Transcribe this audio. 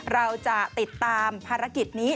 เราจะติดตามภารกิจนี้